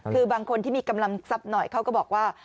คือบางคนที่มีกำลังทรัพย์หน่อยเขาก็บอกว่า